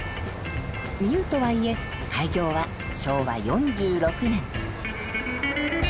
「ニュー」とはいえ開業は昭和４６年。